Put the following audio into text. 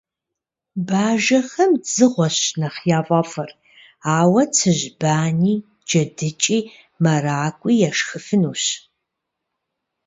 Бажэхэм дзыгъуэщ нэхъ яфӀэфӀыр, ауэ цыжьбани, джэдыкӀи, мэракӀуи, яшхыфынущ.